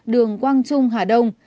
đường quang trung hà đông